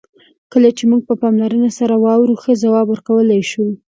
کله چې موږ په پاملرنه سره واورو، ښه ځواب ورکولای شو.